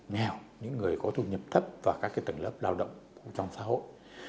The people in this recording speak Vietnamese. nghèo những người có thu nhập thấp và các tầng lớp lao động trong xã hội